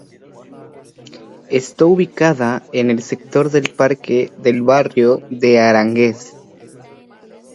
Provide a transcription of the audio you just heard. Está ubicada en el sector del parque del barrio de Aranjuez